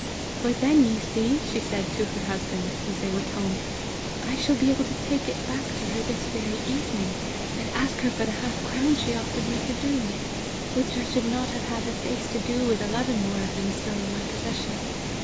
"For, then, you see," she said to her husband, as they went home, "I shall be able to take it back to her this very evening and ask her for the half crown she offered me for doing it, which I should not have had the face to do with eleven more of them still in my possession.